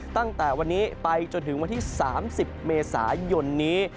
ตั้งแต่วันนี้ไปจนถึงวันที่๓๐เมษายนนี้